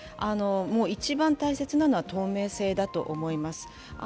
一番大切なのは透明性だと思います。